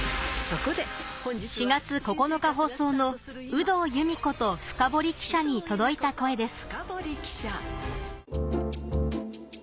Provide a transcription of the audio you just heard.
４月９日放送の『有働由美子とフカボリ記者』に届いた声です